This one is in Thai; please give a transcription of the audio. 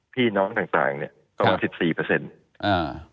พี่น้องต่างต่างเนี้ยประมาณสิบสี่เปอร์เซ็นต์อ่า